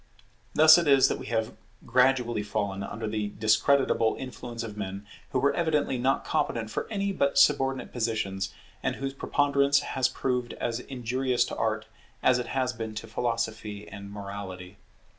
Thus it is that we have gradually fallen under the discreditable influence of men who were evidently not competent for any but subordinate positions, and whose preponderance has proved as injurious to Art as it has been to Philosophy and Morality.